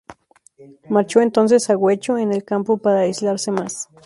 Marchó entonces a Guecho, en el campo, para aislarse más.